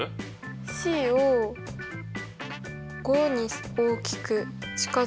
ｃを５に大きく近づけると。